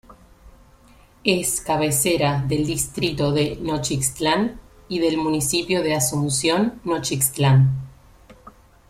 Es cabecera del Distrito de Nochixtlán y del municipio de Asunción Nochixtlán.